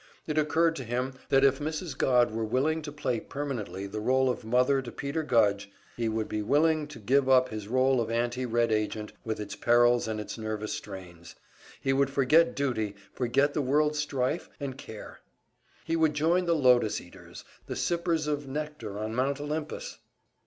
It occurred to him that if Mrs. Godd were willing to play permanently the role of mother to Peter Gudge, he would be willing to give up his role of anti Red agent with its perils and its nervous strains; he would forget duty, forget the world's strife and care; he would join the lotus eaters, the sippers of nectar on Mount Olympus!